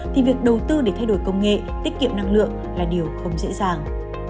thì việc đầu tư để thay đổi công nghệ tiết kiệm năng lượng là điều không dễ dàng